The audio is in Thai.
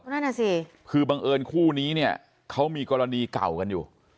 นั่นน่ะสิคือบังเอิญคู่นี้เนี่ยเขามีกรณีเก่ากันอยู่